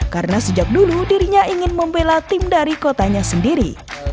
karena sejak dulu dirinya ingin membela tim dari kotanya sendiri